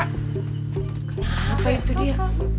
kenapa itu dia